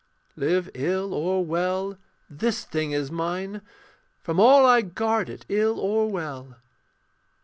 Live ill or well, this thing is mine, From all I guard it, ill or well.